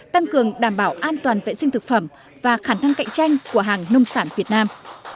tăng cường đảm bảo an toàn vệ sinh thực phẩm và khả năng cạnh tranh của hàng nông sản việt nam